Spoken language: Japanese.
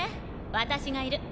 私がいる。